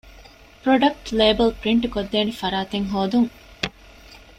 ޕްރޮޑަކްޓް ލޭބަލް ޕްރިންޓްކޮށްދޭނެ ފަރާތެއް ހޯދުން